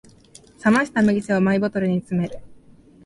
冷ました麦茶をマイボトルに詰める